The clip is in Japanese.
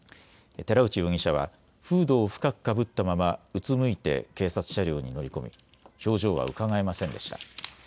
寺内容疑者はフードを深くかぶったままうつむいて警察車両に乗り込み表情はうかがえませんでした。